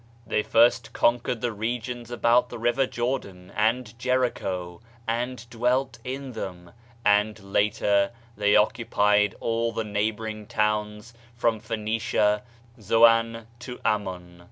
They first conquered the regions about the river Jordan and Jericho and dwelt in them, and later they occupied all the neighboring towns from Phcenicia, Zoan to Ammon.